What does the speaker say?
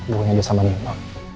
buahnya dia sama nino